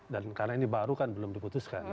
dan karena ini baru kan belum diputuskan